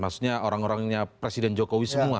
maksudnya orang orangnya presiden jokowi semua